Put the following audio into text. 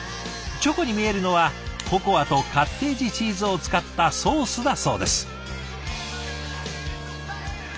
チョコに見えるのはココアとカッテージチーズを使ったソースだそうです。